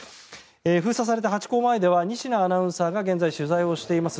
封鎖されたハチ公前では仁科アナウンサーが現在、取材をしています。